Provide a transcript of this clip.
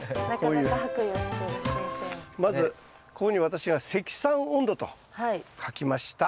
まずここに私が「積算温度」と書きました。